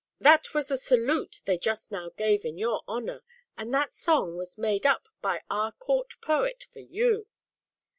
" That was a salute they just now gave in your honor, and that song was made up by our Court Poet for you."